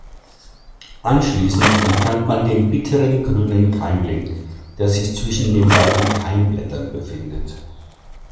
Anschließend entfernt man den bitteren grünen Keimling, der sich zwischen den beiden Keimblättern befindet.